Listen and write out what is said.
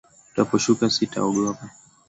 Utakaposhuka sitaogopa